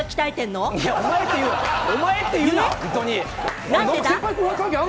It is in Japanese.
お前って言うな！